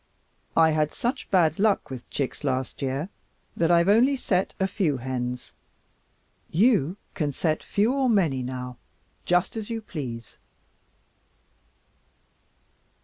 I had such bad luck with chicks last year that I've only set a few hens. You can set few or many now, just as you please."